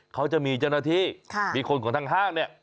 เขาจะมีเจ้าหน้าที่มีคนของทางห้างเนี่ย